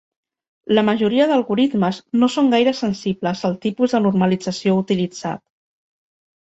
La majoria d'algoritmes no són gaire sensibles al tipus de normalització utilitzat.